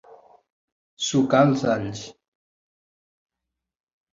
Sucar els alls.